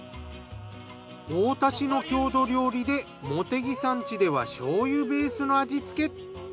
太田市の郷土料理で茂木さん家ではしょうゆベースの味付け。